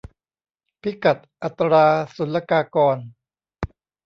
พิกัดอัตราศุลกากร